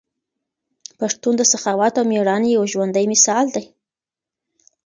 پښتون د سخاوت او ميړانې یو ژوندی مثال دی.